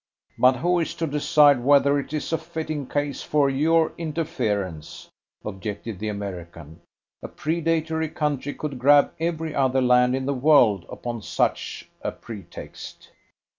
"But who is to decide whether it is a fitting case for your interference?" objected the American. "A predatory country could grab every other land in the world upon such a pretext."